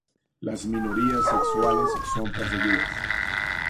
Las minorías sexuales son perseguidas.